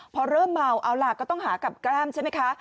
พอเริ่มเมาเอาล่ะก็ต้องหากับกล้ามใช่ไหมคะ